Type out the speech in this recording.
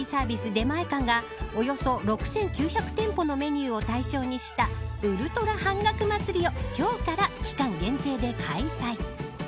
出前館がおよそ６９００店舗のメニューを対象にしたウルトラ半額祭を今日から期間限定で開催。